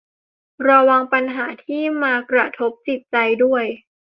ระวังปัญหาที่มากระทบจิตใจด้วย